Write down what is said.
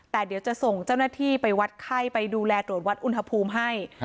แต่เดี๋ยวจะส่งเจ้าหน้าที่ไปวัดไข้ไปดูแลตรวจวัดอุณหภูมิให้